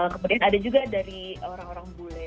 kemudian ada juga dari orang orang bule